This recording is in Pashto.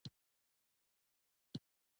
د پلار زحمت د عزت بنسټ دی.